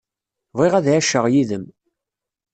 Bɣiɣ ad ɛiceɣ yid-m.